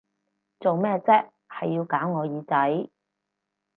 做咩啫，係要搞我耳仔！